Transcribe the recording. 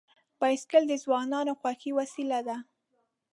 بایسکل د ځوانانو خوښي وسیله ده.